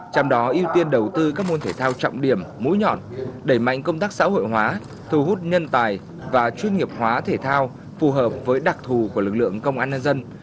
trong đó ưu tiên đầu tư các môn thể thao trọng điểm mũi nhọn đẩy mạnh công tác xã hội hóa thu hút nhân tài và chuyên nghiệp hóa thể thao phù hợp với đặc thù của lực lượng công an nhân dân